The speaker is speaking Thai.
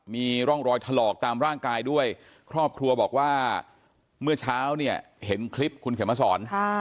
มีร่องรอยถลอกตามร่างกายด้วยครอบครัวบอกว่าเมื่อเช้าเนี่ยเห็นคลิปคุณเขียนมาสอน